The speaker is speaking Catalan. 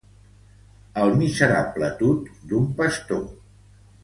El miserable tut d'un pastor.